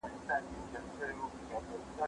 کېدای شي زه منډه ووهم!